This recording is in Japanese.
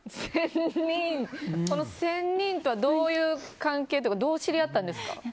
この仙人とはどういう関係というかどう知り合ったんですか？